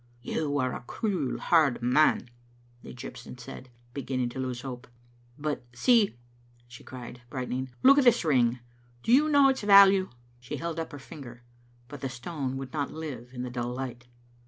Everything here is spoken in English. "You are a cruel, hard man," the Egyptian said, be ginning to lose hope. " But, see," she cried, " brighten ing, " look at this ring. Do you know its value?" She held up her finger, but the stone would not live in the dull light.